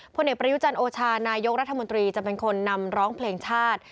ผลเอกประยุจันทร์โอชานายกรัฐมนตรีจะเป็นคนนำร้องเพลงชาติ